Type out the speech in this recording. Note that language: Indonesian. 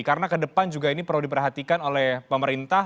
karena kedepan juga ini perlu diperhatikan oleh pemerintah